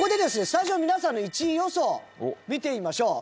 スタジオの皆さんの１位予想見てみましょう。